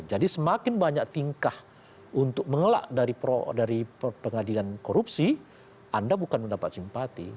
jadi semakin banyak tingkah untuk mengelak dari pengadilan korupsi anda bukan mendapat simpati